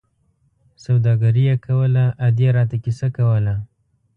سوداګري یې کوله، ادې را ته کیسه کوله.